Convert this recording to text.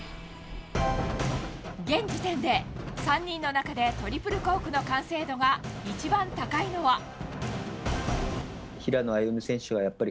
現時点で、３人の中でトリプルコークの完成度が一番高いのは？